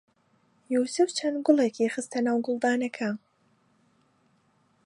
یووسف چەند گوڵێکی خستە ناو گوڵدانەکە.